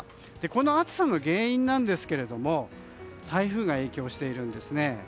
この暑さの原因なんですけれども台風が影響しているんです。